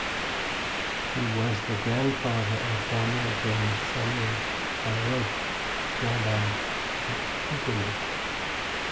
He was the grandfather of Daniel ben Samuel ha-Rofe, rabbi at Tivoli.